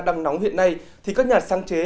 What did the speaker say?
đang nóng hiện nay thì các nhà sáng chế